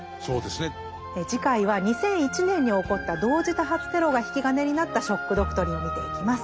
次回は２００１年に起こった同時多発テロが引き金になった「ショック・ドクトリン」見ていきます。